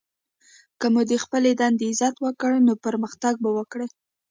که مو د خپلي دندې عزت وکړئ! نو پرمختګ به وکړئ!